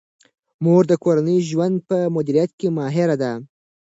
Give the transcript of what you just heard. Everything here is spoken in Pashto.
مور د کورني ژوند په مدیریت کې ماهر ده.